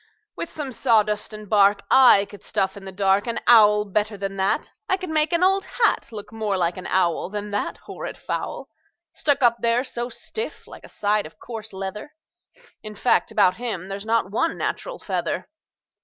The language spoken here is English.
"With some sawdust and bark I could stuff in the dark An owl better than that. I could make an old hat Look more like an owl Than that horrid fowl, Stuck up there so stiff like a side of coarse leather. In fact, about him there's not one natural feather."